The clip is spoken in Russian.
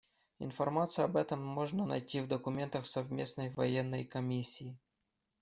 Информацию об этом можно найти в документах Совместной военной комиссии.